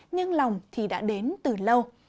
nhưng lòng thì đã đến từ lâu